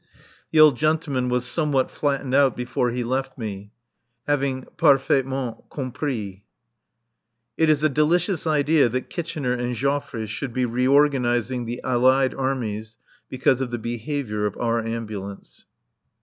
The old gentleman was somewhat flattened out before he left me; having "parfaitement compris." It is a delicious idea that Kitchener and Joffre should be reorganizing the Allied Armies because of the behaviour of our Ambulance.